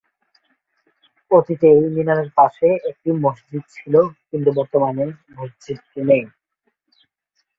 অতীতে এই মিনারের পাশে একটি মসজিদ ছিল তবে বর্তমানে মসজিদটি নেই।